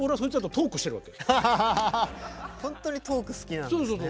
ほんとにトーク好きなんですね。